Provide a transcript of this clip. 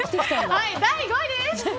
第５位です！